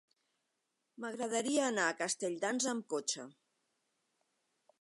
M'agradaria anar a Castelldans amb cotxe.